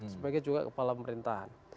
sebagai juga kepala pemerintahan